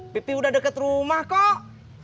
pipi udah dekat rumah kok